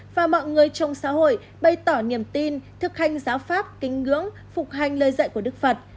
và mọi người trong xã hội bày tỏ niềm tin thực hành giáo pháp kính ngưỡng phục hành lời dạy của đức phật